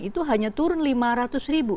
itu hanya turun rp lima ratus